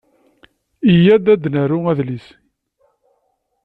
Iyya ad d-naru adlis.